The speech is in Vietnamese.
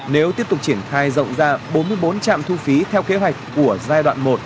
nếu tiếp tục triển khai rộng ra bốn mươi bốn trạm thu phí theo kế hoạch của giai đoạn một